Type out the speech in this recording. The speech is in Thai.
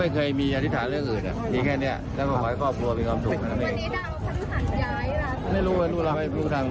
ไม่รู้เราไม่รู้ทางนั้นหลังไปถาม